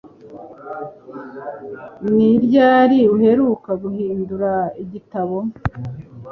Ni ryari uheruka guhindura igitabo?